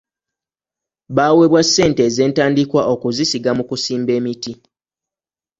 Baaweebwa ssente ez'entandikwa okuzisiga mu kusimba emiti.